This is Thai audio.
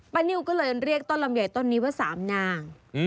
ปะนิวก็เลยเรียกต้นลำใหญ่ต้นนี้ว่าสามนาง